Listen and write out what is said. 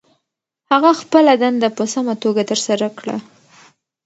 هغه خپله دنده په سمه توګه ترسره کړه.